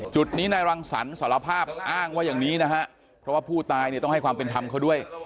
จุดนี้นายรังสรรค์สารภาพอ้างว่าอย่างนี้นะฮะเพราะว่าผู้ตายเนี่ยต้องให้ความเป็นธรรมเขาด้วย